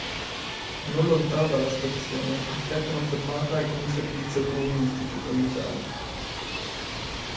Non lontano della stazione effettuano fermata alcuni servizi automobilistici provinciali.